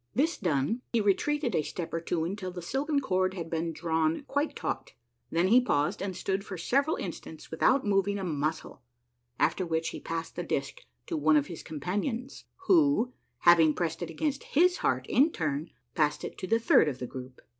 This done, he retreated a step or two until the silken cord had been drawn quite taut. Then he paused and stood for several instants without moving a muscle, after which he passed the disk to one of his compan ions, who, having pressed it against liis heart in turn, passed it to the third of the group.